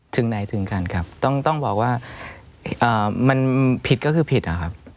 ถึงไหนถึงกันครับต้องบอกว่ามันผิดก็คือผิดนะครับ